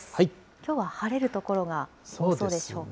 きょうは晴れる所が多そうでしょうか。